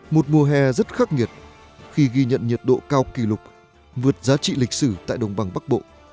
một mùa hè rất khắc nghiệt khi ghi nhận nhiệt độ cao kỷ lục vượt giá trị lịch sử tại đồng bằng bắc bộ